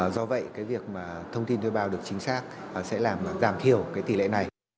do vậy việc thông tin thuê bao được chính xác sẽ làm giảm thiểu tỷ lệ này